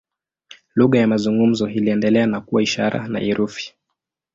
Lugha ya mazungumzo iliendelea na kuwa ishara na herufi.